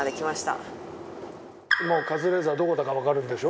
長嶋：もう、カズレーザーどこだかわかるんでしょ？